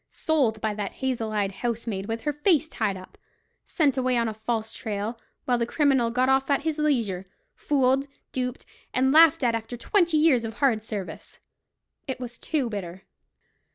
Sold by that hazel eyed housemaid with her face tied up! Sent away on a false trail, while the criminal got off at his leisure! Fooled, duped, and laughed at after twenty years of hard service! It was too bitter.